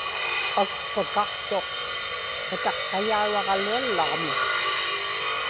akpakaqtuq kataqqayauraġaluallaġmi